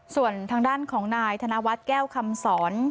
ส่วนทางด้านของนายธนวัฒน์แก้วคำสอน